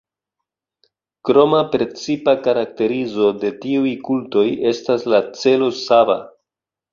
Kroma precipa karakterizo de tiuj kultoj estas la celo sava.